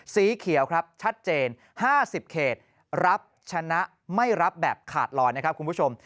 สีเขียวครับชัดเจน๕๐เขตรับชนะไม่รับแบบขาดลอยนะครับคุณผู้ชม